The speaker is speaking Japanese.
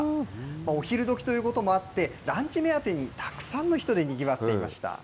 お昼どきということもあって、ランチ目当てに、たくさんの人でにぎわっていました。